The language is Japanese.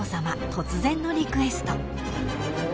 突然のリクエスト］